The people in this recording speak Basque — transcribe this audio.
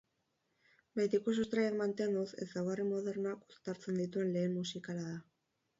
Betiko sustraiak mantenduz, ezaugarri modernoak uztartzen dituen lehen musikala da.